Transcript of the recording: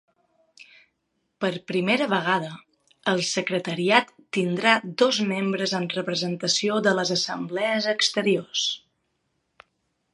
Per primera vegada, el secretariat tindrà dos membres en representació de les assemblees exteriors.